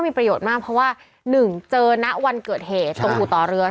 มีประโยชน์มากเพราะว่า๑เจอณวันเกิดเหตุตรงอู่ต่อเรือ